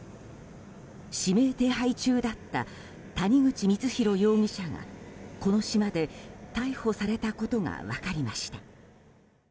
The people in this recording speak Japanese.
指名手配中だった谷口光弘容疑者が、この島で逮捕されたことが分かりました。